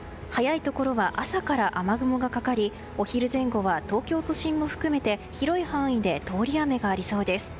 早いところは朝から雨雲がかかりお昼前後は東京都心を含めて広い範囲で通り雨がありそうです。